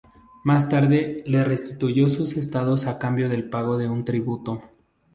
Más tarde le restituyó sus estados a cambio del pago de un tributo.